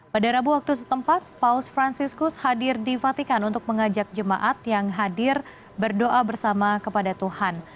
pada rabu waktu setempat paus franciscus hadir di fatikan untuk mengajak jemaat yang hadir berdoa bersama kepada tuhan